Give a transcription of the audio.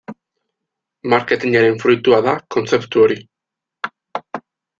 Marketingaren fruitua da kontzeptu hori.